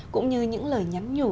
cũng như những lời nhắn nhủ